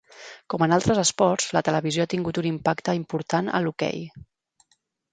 Com en altres esports, la televisió ha tingut un impacte important al hoquei.